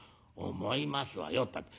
「思いますわよったって